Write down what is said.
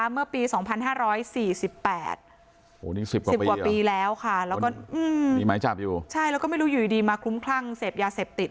เมื่อปี๒๕๔๘แล้วก็ไม่รู้อยู่ดิมาคุ้มคลั่งเสพยาเสพติด